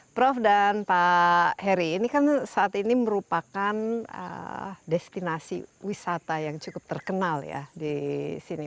prof dan pak heri ini kan saat ini merupakan destinasi wisata yang cukup terkenal ya di sini